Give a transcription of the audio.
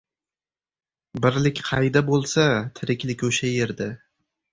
• Birlik qayda bo‘lsa, tiriklik o‘sha yerda.